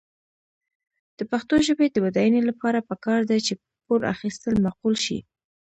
د پښتو ژبې د بډاینې لپاره پکار ده چې پور اخیستل معقول شي.